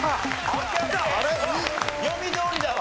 読みどおりだわ。